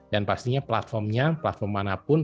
dan pastinya platformnya platform manapun